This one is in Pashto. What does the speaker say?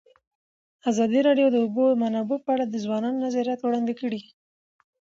ازادي راډیو د د اوبو منابع په اړه د ځوانانو نظریات وړاندې کړي.